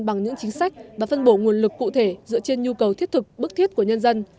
bằng những chính sách và phân bổ nguồn lực cụ thể dựa trên nhu cầu thiết thực bức thiết của nhân dân